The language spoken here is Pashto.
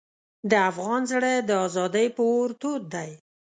د افغان زړه د ازادۍ په اور تود دی.